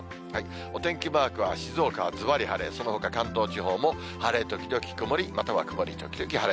お天気マークは静岡はずばり晴れ、そのほか関東地方も晴れ時々曇り、または曇り時々晴れ。